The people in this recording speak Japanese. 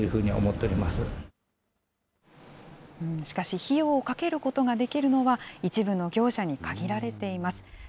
しかし、費用をかけることができるのは、一部の業者に限られています。